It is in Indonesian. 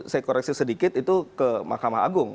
saya koreksi sedikit itu ke mahkamah agung